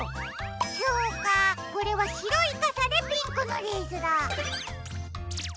そうかこれはしろいかさでピンクのレースだ。